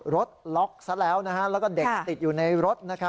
รถล็อกซะแล้วแล้วก็เด็กติดอยู่ในรถ